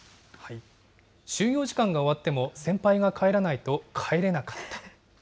就業時間が終わっても先輩が帰らないと帰れなかった。